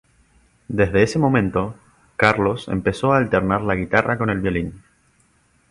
Desde ese momento, Carlos empezó a alternar la guitarra con el violín.